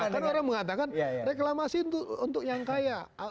karena orang mengatakan reklamasi untuk yang kaya